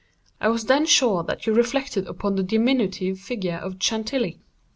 I was then sure that you reflected upon the diminutive figure of Chantilly.